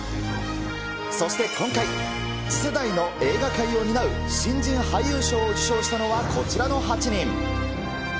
そして今回、次世代の映画界を担う新人俳優賞を受賞したのはこちらの８人。